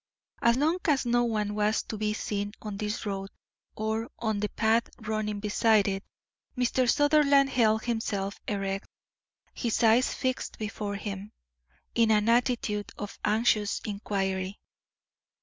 As long as no one was to be seen on this road, or on the path running beside it, Mr. Sutherland held himself erect, his eyes fixed before him, in an attitude of anxious inquiry.